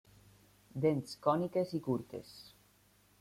Dents còniques i curtes.